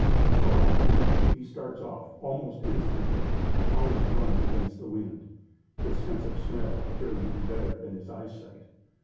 If alarmed, he starts off almost instantly and always runs against the wind, his sense of smell appearing to be better than his eyesight.